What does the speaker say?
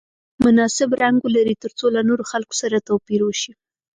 مناسب رنګ ولري ترڅو له نورو خلکو سره توپیر وشي.